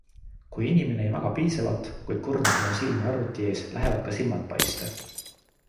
Kui inimene ei maga piisavalt, kuid kurnab oma silmi arvuti ees, lähevad ka silmad paiste.